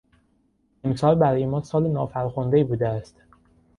امسال برای ما سال نافرخندهای بوده است.